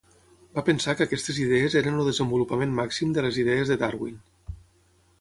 Va pensar que aquestes idees eren el desenvolupament màxim de les idees de Darwin.